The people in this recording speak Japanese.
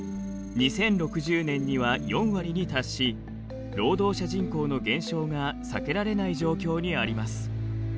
２０６０年には４割に達し労働者人口の減少が避けられない状況にあります。